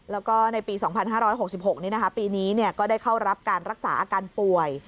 แล้วก็ในปี๒๕๖๖นี้ปีนี้ก็ได้เข้ารับการรักษาอาการป่วย